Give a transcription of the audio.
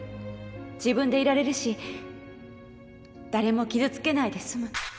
自分でいられるし誰も傷つけないで済む。